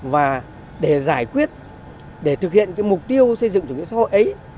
và để giải quyết để thực hiện cái mục tiêu xây dựng chủ nghĩa xã hội ấy